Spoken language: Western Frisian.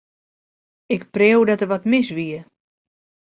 Ik preau dat der wat mis wie.